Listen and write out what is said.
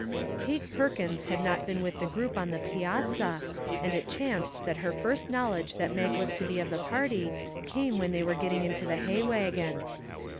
Kate Perkins had not been with the group on the piazza, and it chanced that her first knowl edge that Mag was to be of the party came when they were getting into the hay wagon.